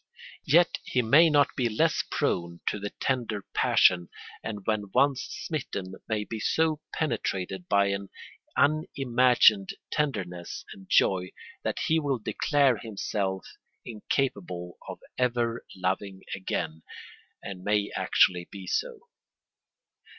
Yet he may not be less prone to the tender passion, and when once smitten may be so penetrated by an unimagined tenderness and joy, that he will declare himself incapable of ever loving again, and may actually be so.